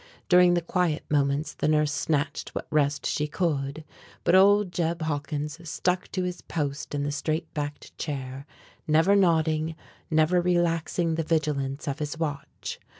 During the quiet moments the nurse snatched what rest she could; but old Jeb Hawkins stuck to his post in the straight backed chair, never nodding, never relaxing the vigilance of his watch.